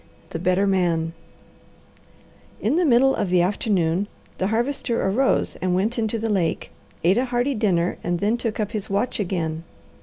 THE BETTER MAN In the middle of the afternoon the Harvester arose and went into the lake, ate a hearty dinner, and then took up his watch again.